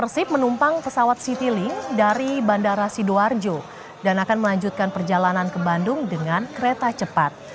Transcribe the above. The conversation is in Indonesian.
persib menumpang pesawat citylink dari bandara sidoarjo dan akan melanjutkan perjalanan ke bandung dengan kereta cepat